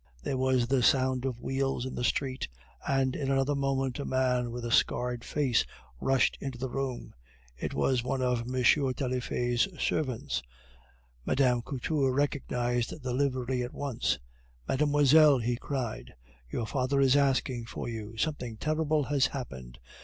There was the sound of wheels in the street, and in another moment a man with a scared face rushed into the room. It was one of M. Taillefer's servants; Mme. Couture recognized the livery at once. "Mademoiselle," he cried, "your father is asking for you something terrible has happened!